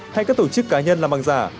hay các tổ chức cá nhân làm bằng giả